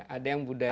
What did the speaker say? ada yang budaya